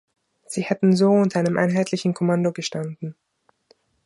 Sie hätten so unter einem einheitlichen Kommando gestanden.